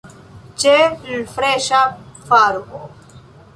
Ĉe l' freŝa faro.